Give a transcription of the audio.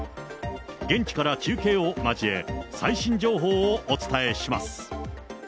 現地から中継を交え、最新情報をお伝えします。